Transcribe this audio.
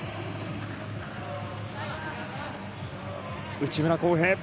内村航平